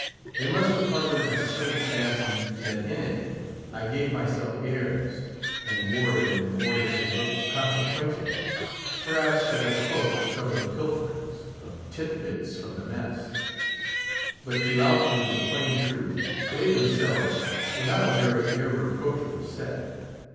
They must have harbored the silly fancy that in it I gave myself airs, and wore it in order to look consequential; perhaps, as a cloak to cover pilferings of tit bits from the mess. But to out with the plain truth, they themselves were not a very irreproachable set.